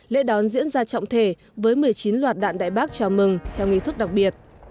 lễ đón diễn ra trọng thể với một mươi chín loạt đạn đại bác chào mừng theo nghị thức đặc biệt